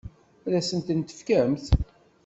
Ad asen-ten-tefkemt?